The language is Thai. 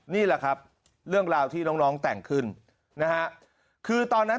นี่แหละครับเรื่องราวที่น้องน้องแต่งขึ้นนะฮะคือตอนนั้น